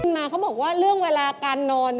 มาเขาบอกว่าเรื่องเวลาการนอน